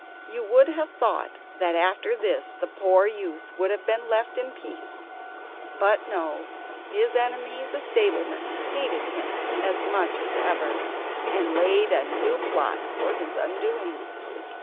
You would have thought that after this the poor youth would have been left in peace; but no, his enemy the stableman hated him as much as ever, and laid a new plot for his undoing.